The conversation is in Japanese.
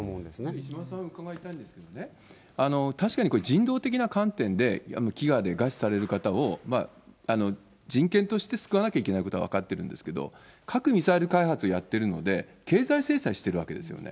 石丸さんに伺いたいんですけどね、確かにこれ、人道的な観点で飢餓で餓死される方を、人権として救わなければいけないことは分かってるんですけど、核・ミサイル開発やってるので、経済制裁してるわけですよね。